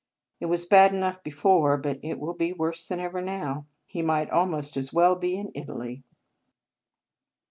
It was bad enough before, but it will be worse than ever now. He might al most as well be in Italy."